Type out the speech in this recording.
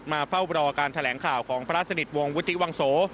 เฝ้ารอการแถลงข่าวของพระสนิทวงศวุฒิวังโส